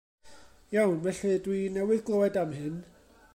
Iawn, felly, dwi newydd glywed am hyn.